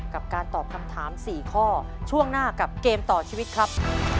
กับการตอบคำถาม๔ข้อช่วงหน้ากับเกมต่อชีวิตครับ